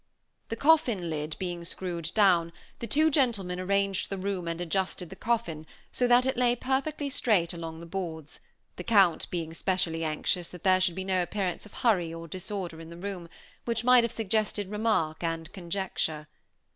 The coffin lid being screwed down, the two gentlemen arranged the room and adjusted the coffin so that it lay perfectly straight along the boards, the Count being specially anxious that there should be no appearance of hurry or disorder in the room, which might have suggested remark and conjecture.